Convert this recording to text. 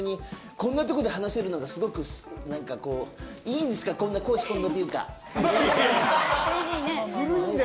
こんな所で話せるのがすごくいいんですか、こんな公私混同というか。